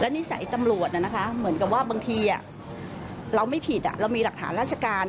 นิสัยตำรวจเหมือนกับว่าบางทีเราไม่ผิดเรามีหลักฐานราชการ